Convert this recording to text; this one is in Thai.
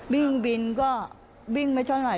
วิ่งบินก็วิ่งไม่เท่าไหร